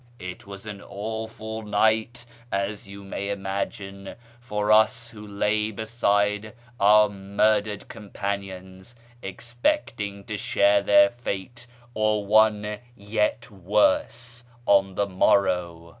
" It was an awful night, as you may imagine, for us who lay beside our murdered companions, expecting to share their fate, or one yet worse, on the morrow.